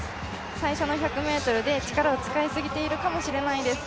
最初の１００ｍで力を使いすぎているかもしれないです。